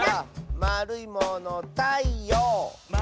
「まるいものたいよう！」